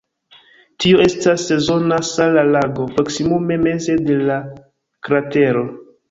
Tio estas sezona sala lago proksimume meze de la kratero.